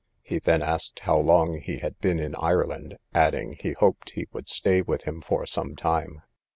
He then asked how long he had been in Ireland; adding, he hoped he would stay with him for some time.